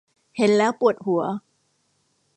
เห็นแล้วปวดหัว